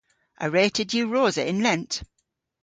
A wre'ta diwrosa yn lent?